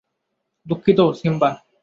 দুঃখিত, সিম্বা।